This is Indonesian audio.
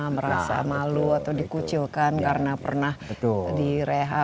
merasa malu atau dikucilkan karena pernah di rehat